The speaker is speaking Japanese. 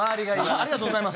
ありがとうございます。